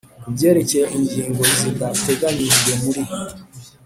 Ku byerekeye ingingo zidateganyijwe muri